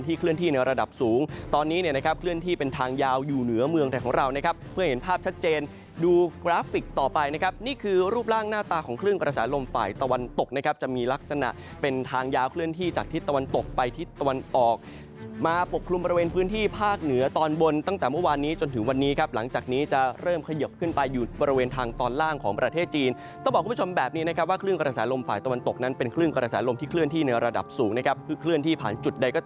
ที่เคลื่อนที่ระดับสูงตอนนี้นะครับเคลื่อนที่เป็นทางยาวอยู่เหนือเมืองแต่ของเรานะครับเพื่อเห็นภาพชัดเจนดูกราฟฟิกต่อไปนะครับนี่คือรูปร่างหน้าตาของเครื่องกระแสลมฝ่ายตะวันตกนะครับจะมีลักษณะเป็นทางยาวเคลื่อนที่จากที่ตะวันตกไปที่ตะวันออกมาปกครุมบริเวณพื้นที่ภาคเหนือตอนบนตั้งแต่เมื่อวานนี้จ